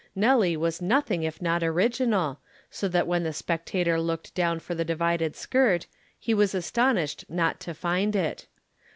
Nelly was nothing if not original, so that when the spectator looked down for the divided skirt he was astonished not to find it.